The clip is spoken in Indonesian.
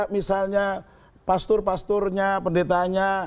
misalnya pastur pasturnya pendetanya